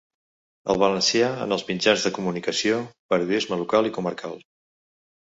El valencià en els mitjans de comunicació’, ‘Periodisme local i comarcal.